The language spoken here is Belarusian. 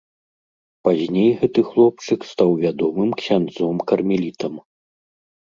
Пазней гэты хлопчык стаў вядомым ксяндзом кармелітам.